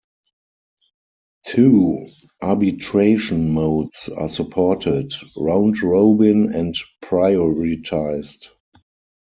Two arbitration modes are supported - Round Robin and Prioritized.